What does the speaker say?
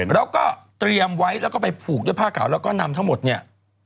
แล้วก็เตรียมไว้แล้วก็ไปผูกด้วยผ้าขาวแล้วก็นำทั้งหมดเนี่ย